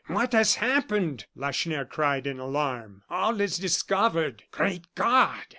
"What has happened?" Lacheneur cried, in alarm. "All is discovered!" "Great God!"